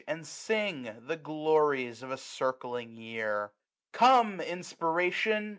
And sing the glories of the circling year. Come, Inspiration